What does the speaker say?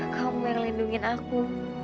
kamu yang lindungin aku